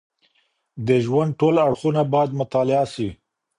د ژوند ټول اړخونه باید مطالعه سي.